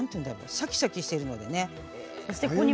シャキシャキしてるのでね。